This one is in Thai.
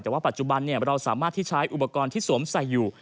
แต่ว่าปัจจุบันเราสามารถที่ใช้อุปกรณ์ที่สวมใส่อยู่